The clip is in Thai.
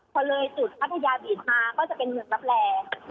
พอเลยจุดพัทยาบีดมาก็จะเป็นเมืองลับแล